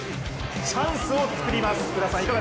チャンスを作ります。